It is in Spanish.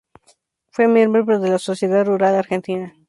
Fue miembro de la Sociedad Rural Argentina.